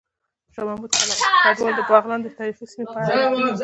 شاه محمود کډوال د بغلان د تاریخي سیمې په اړه ليکلي